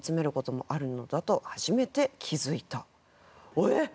えっ！？